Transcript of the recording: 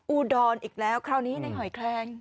อุดรอีกแล้วคราวนี้ในหอยแคลง